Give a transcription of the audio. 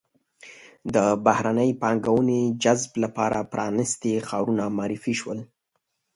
د بهرنۍ پانګونې جذب لپاره پرانیستي ښارونه معرفي شول.